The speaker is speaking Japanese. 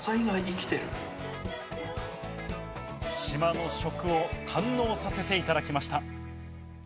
島の食を堪能させていただきました。